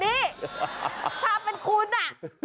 ภาพเป็นคุณน่ะ